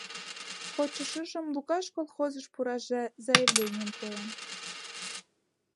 Кодшо шыжым Лукаш колхозыш пураш заявленийым пуэн.